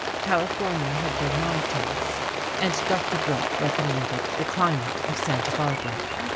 California had been my choice, and Dr. Brooke recommended the climate of Santa Barbara.